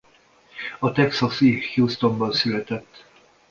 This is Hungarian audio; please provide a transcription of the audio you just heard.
A texasi Houstonban született.